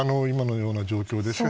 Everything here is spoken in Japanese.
今のような状況で。